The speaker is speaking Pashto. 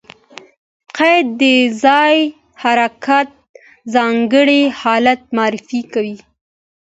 قید د ځایي حرکت ځانګړی حالت معرفي کوي.